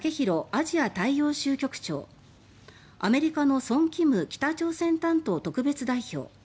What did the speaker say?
アジア大洋州局長アメリカのソン・キム北朝鮮担当特別代表